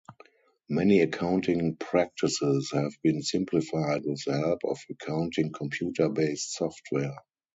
Many accounting practices have been simplified with the help of accounting computer-based software.